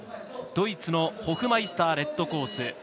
ドイツのホフマイスターがレッドコース。